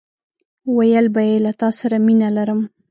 ويل به يې له تاسره مينه لرم!